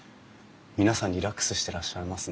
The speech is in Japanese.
皆さんリラックスしてらっしゃいますね。